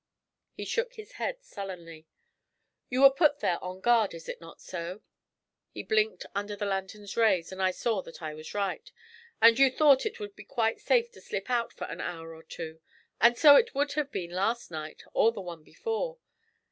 He shook his head sullenly. 'You were put there on guard is it not so?' He blinked under the lantern's rays, and I saw that I was right. 'And you thought it would be quite safe to slip out for an hour or two; and so it would have been last night or the one before.